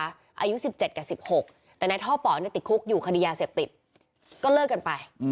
อายุ๑๗กับ๑๖แต่ในท่อป๋อติดคุกอยู่คดียาเสพติดก็เลิกกันไป